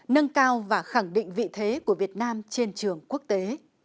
nâng cao và khẳng định vị thế của việt nam trên trường quốc tế